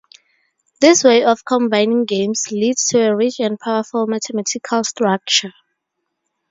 This way of combining games leads to a rich and powerful mathematical structure.